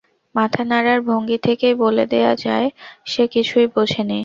মাথা নাড়ার ভঙ্গি থেকেই বলে দেয়া যায়, সে কিছুই বোঝে নি।